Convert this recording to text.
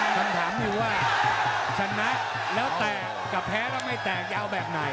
กลับถามนี้อยู่ว่าสนะแล้วแตกกับแพ้แล้วไม่แตกจะเอาแบบไหน